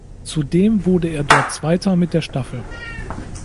Zudem wurde er dort Zweiter mit der Staffel.